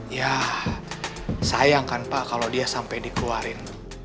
ya sayang kan pak kalau dia sampai dikeluarin